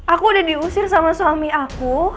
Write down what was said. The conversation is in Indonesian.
aku udah diusir sama suami aku